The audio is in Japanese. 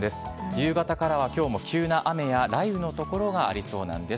夕方からはきょうも急な雨や雷雨の所がありそうなんです。